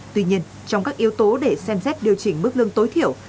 tuy nhiên trong các yếu tố để xem xét điều chỉnh mức lương tối thiểu